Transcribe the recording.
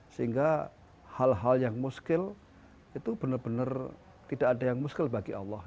sehingga hal hal yang muskil itu benar benar tidak ada yang muskil bagi allah